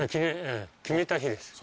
決めた日です。